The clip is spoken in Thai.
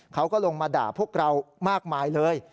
เขาก็ลงมาด่าพวกเรามากมายเลย